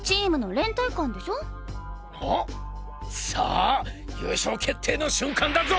さあ優勝決定の瞬間だぞ！